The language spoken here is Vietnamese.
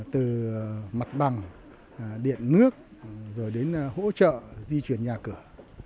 từ mặt bằng điện nước rồi đến hỗ trợ di chuyển nhà cửa